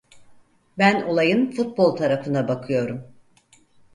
Ben olayın futbol tarafına bakıyorum.